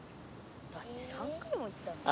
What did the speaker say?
だって３回も行ったのに。